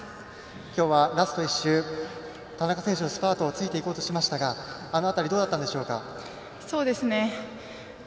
きょうはラスト１周田中選手のスパートについていこうとしましたがあの辺りどうだったんでしょうか。